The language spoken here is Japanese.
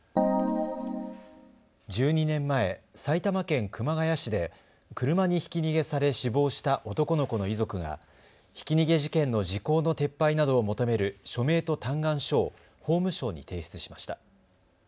１２年前、埼玉県熊谷市で車にひき逃げされ死亡した男の子の遺族がひき逃げ事件の時効の撤廃などを求める署名と嘆願書を法務省に提出しました。